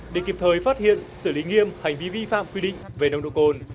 để kịp thời phát hiện xử lý nghiêm hành vi vi phạm quy định về nồng độ cồn